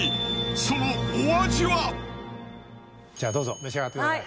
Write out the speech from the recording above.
そのじゃあどうぞ召し上がってください。